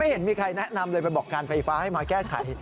เห็นมีใครแนะนำเลยไปบอกการไฟฟ้าให้มาแก้ไข